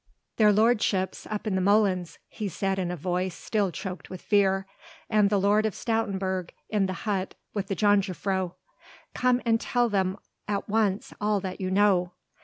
"Their lordships up in the molens," he said in a voice still choked with fear, "and the Lord of Stoutenburg in the hut with the jongejuffrouw.... Come and tell them at once all that you know."